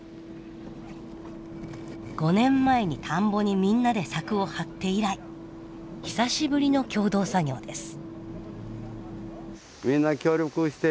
５年前に田んぼにみんなで柵を張って以来久しぶりの共同作業です。